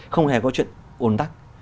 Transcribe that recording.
không hề có chuyện ồn tắc